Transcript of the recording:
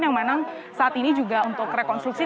yang memang saat ini juga untuk rekonstruksi